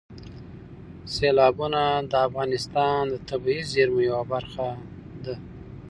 سیلابونه د افغانستان د طبیعي زیرمو یوه برخه ده.